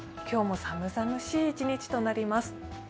今日も寒々しい一日となります。